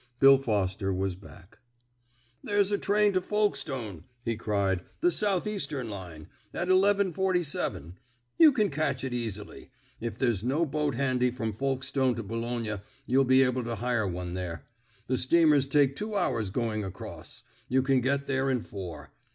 Bill Foster was back. "There's a train to Folkestone," he cried, "the South Eastern line, at 11.47. You can catch it easily. If there's no boat handy from Folkestone to Boulogne, you'll be able to hire one there. The steamers take two hours going across. You can get there in four.